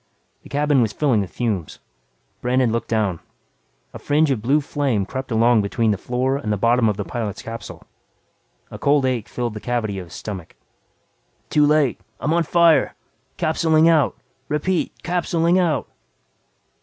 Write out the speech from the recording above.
The cabin was filling with fumes. Brandon looked down. A fringe of blue flame crept along between the floor and the bottom of the pilot's capsule. A cold ache filled the cavity of his stomach. "Too late. I'm on fire! Capsuling out. Repeat, capsuling out."